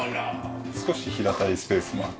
少し平たいスペースもあって。